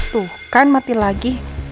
tuh kan mati lagi